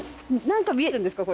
何か見えるんですか？